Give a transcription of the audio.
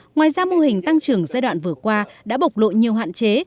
ngoài ra mô hình tăng trưởng giai đoạn vừa qua đã bộc lộ nhiều hạn chế